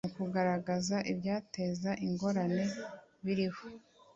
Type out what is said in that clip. mu kugaragaza ibyateza ingorane biriho